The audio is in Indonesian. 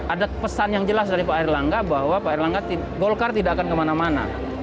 ada pesan yang jelas dari pak erlangga bahwa pak erlangga golkar tidak akan kemana mana